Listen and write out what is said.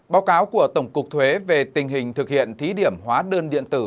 báo cáo của tổng cục thuế về tình hình thực hiện thí điểm hóa đơn điện tử